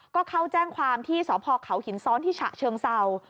ก็เข้าแจ้งความที่สพเขาหินซ้อนที่ฉะเชิงเศร้า